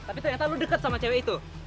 tapi ternyata lu deket sama cewek itu